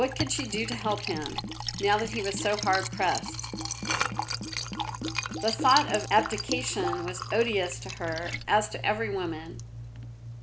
What could she do to help him, now that he was so hard pressed? The thought of abdication was odious to her, as to every woman.